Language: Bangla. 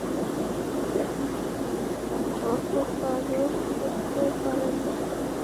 অপকারও করতে পারে না।